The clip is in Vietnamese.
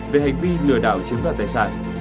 về hành vi lừa đảo chiếm đoạt tài sản